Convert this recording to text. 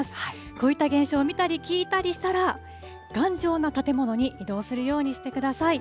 こういった現象を見たり、聞いたりしたら、頑丈な建物に移動するようにしてください。